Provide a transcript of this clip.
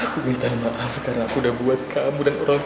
aku minta maaf karena aku udah buat kamu dan orang tua